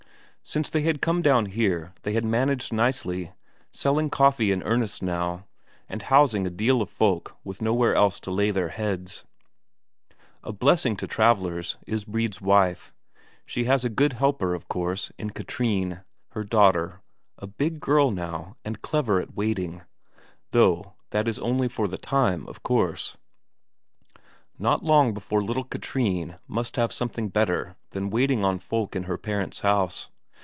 Since they had come down here they had managed nicely, selling coffee in earnest now, and housing a deal of folk with nowhere else to lay their heads. A blessing to travellers, is Brede's wife. She has a good helper, of course, in Katrine, her daughter, a big girl now and clever at waiting though that is only for the time, of course; not long before little Katrine must have something better than waiting on folk in her parents' house.